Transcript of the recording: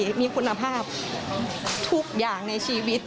และก็มีการกินยาละลายริ่มเลือดแล้วก็ยาละลายขายมันมาเลยตลอดครับ